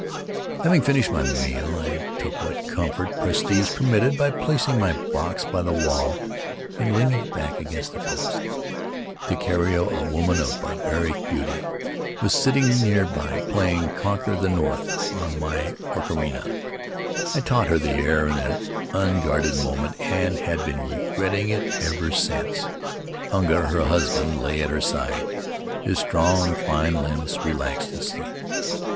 Having finished my meal, I took what comfort prestige permitted by placing my box by the wall and leaning back against a post. Takiero, a woman of [1911 Faery Lands of the South Seas barbaric beauty, was sitting near by playing, "Conquer the North" on my ocharina. I taught her the air in an unguarded moment and had been regretting it ever since. Hunga, her husband, lay at her side, his strong, fine limbs relaxed in sleep.